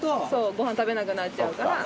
ごはん食べなくなっちゃうから。